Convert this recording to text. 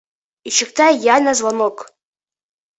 Ишектә йәнә звонок.